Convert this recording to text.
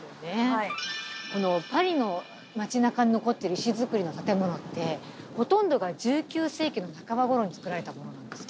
はいこのパリの街なかに残っている石造りの建物ってほとんどが１９世紀の半ば頃につくられたものなんですよ